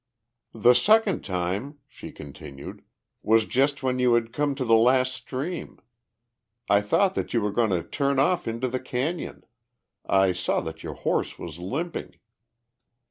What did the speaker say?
"The second time," she continued, "was just when you had come to the last stream. I thought that you were going to turn off into the cañon. I saw that your horse was limping."